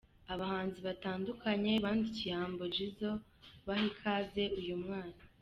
Abahanzi batandukanye bandikiye Humble Jizzo baha ikaze uyu mwana.